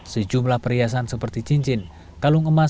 sejumlah perhiasan seperti cincin kalung emas